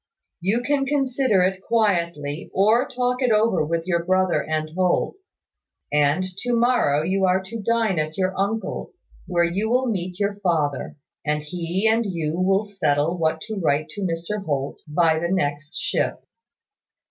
You can consider it quietly, or talk it over with your brother and Holt; and to morrow you are to dine at your uncle's, where you will meet your father; and he and you will settle what to write to Mr Holt, by the next ship."